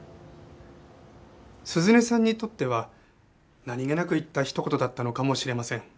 涼音さんにとっては何げなく言ったひと言だったのかもしれません。